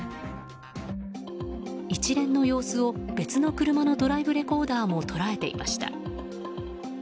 一連の様子を別の車のドライブレコーダーも捉えていました。